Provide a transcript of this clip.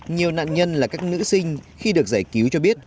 nhiều nạn nhân là các nữ sinh khi được giải cứu cho biết